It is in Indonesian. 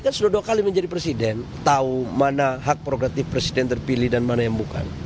kan sudah dua kali menjadi presiden tahu mana hak progratif presiden terpilih dan mana yang bukan